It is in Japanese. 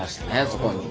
そこに。